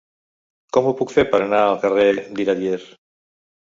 Com ho puc fer per anar al carrer d'Iradier?